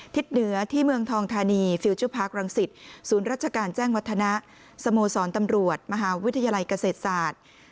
เหนือที่เมืองทองธานีฟิลเจอร์พาร์ครังสิตศูนย์ราชการแจ้งวัฒนะสโมสรตำรวจมหาวิทยาลัยเกษตรศาสตร์